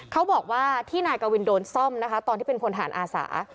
เขาบอกว่าที่นายกวินโดนซ่อมนะคะตอนที่เป็นพลฐานอาสา